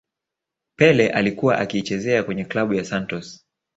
pele alikuwa akiichezea kwenye klabu ya santos